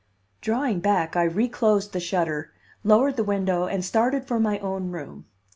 Drawing back, I reclosed the shutter, lowered the window and started for my own room.